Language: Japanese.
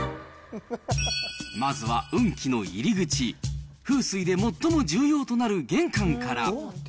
まずは運気の入り口、風水で最も重要となる玄関から。